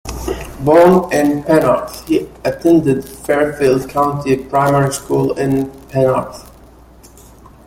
Born in Penarth, he attended Fairfield County Primary School in Penarth.